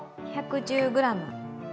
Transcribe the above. １１０ｇ。